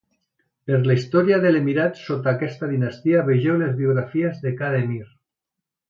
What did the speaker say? Per la història de l'emirat sota aquesta dinastia vegeu les biografies de cada emir.